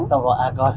con cháu gọi là con